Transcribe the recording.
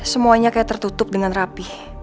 semuanya kayak tertutup dengan rapih